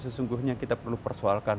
sesungguhnya kita perlu persoalkan